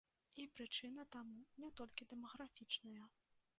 І прычына таму не толькі дэмаграфічная.